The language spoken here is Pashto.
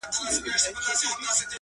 ګوندي قبول سي خواست د خوارانو -